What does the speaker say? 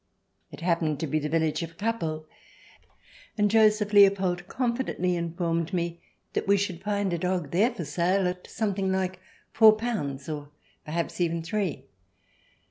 It happened to be the village of Cappel, and Joseph Leopold con fidently informed me that we should find a dog 182 CH. XIV] GREAT DANES AND MICE 183 there for sale at something like four pounds, or perhaps even three.